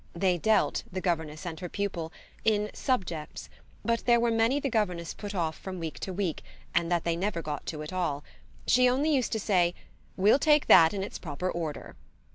They dealt, the governess and her pupil, in "subjects," but there were many the governess put off from week to week and that they never got to at all: she only used to say "We'll take that in its proper order."